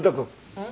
うん？